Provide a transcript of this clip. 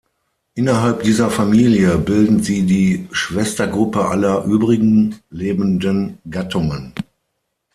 Innerhalb dieser Familie bilden sie die Schwestergruppe aller übrigen lebenden Gattungen.